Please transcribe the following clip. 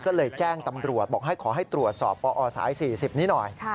ก็เลยแจ้งตำรวจบอกให้ขอให้ตรวจสอบปอสาย๔๐นี้หน่อย